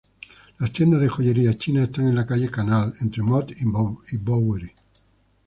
Las tiendas de joyería china están en la calle Canal entre Mott y Bowery.